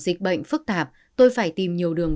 dịch bệnh phức tạp tôi phải tìm nhiều đường